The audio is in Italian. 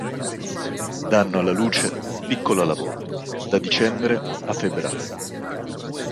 Danno alla luce un piccolo alla volta da dicembre a febbraio.